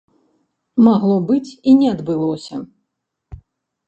Магло быць і не адбылося.